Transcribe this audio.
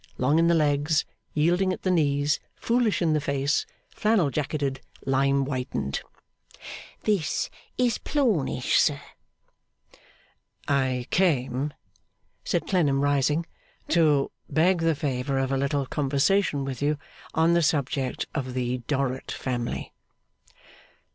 Long in the legs, yielding at the knees, foolish in the face, flannel jacketed, lime whitened. 'This is Plornish, sir.' 'I came,' said Clennam, rising, 'to beg the favour of a little conversation with you on the subject of the Dorrit family.